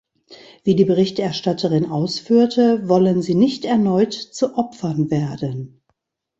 Wie die Berichterstatterin ausführte, wollen sie nicht erneut zu Opfern werden.